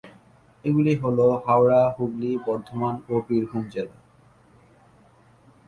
এগুলি হল: হাওড়া, হুগলি, বর্ধমান ও বীরভূম জেলা।